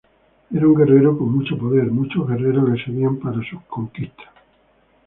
Era un guerrero con mucho poder, muchos guerreros le seguían para sus conquistas.